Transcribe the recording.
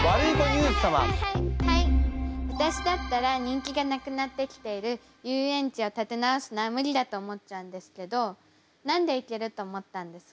私だったら人気がなくなってきている遊園地を立て直すのは無理だと思っちゃうんですけど何でいけると思ったんですか？